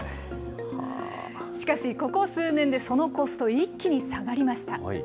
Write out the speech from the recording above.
しかし、ここ数年でそのコスト、一気に下がりました。